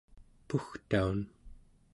pugtaun